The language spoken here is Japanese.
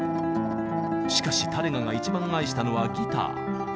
しかしタレガが一番愛したのはギター。